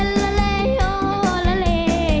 โฮลาเลโฮลาเลโฮลาเล